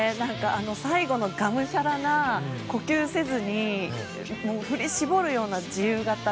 最後のがむしゃらな呼吸せずに振り絞るような自由形。